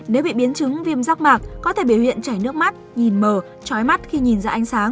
nếu bị biến chứng viêm rác mạc có thể biểu hiện chảy nước mắt nhìn mờ trói mắt khi nhìn ra ánh sáng